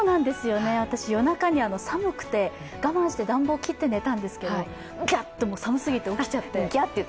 私、夜中に寒くて、我慢して暖房を切って寝たんですけど、ギャッと、寒すぎて起きちゃって。